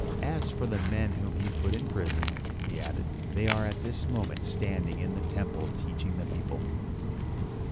"As for the men whom ye put in prison," he added, "they are at this moment standing in the temple teaching the people!"